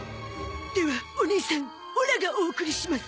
ではおねいさんオラがお送りします！